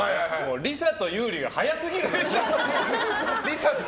ＬｉＳＡと優里が速すぎるのよ！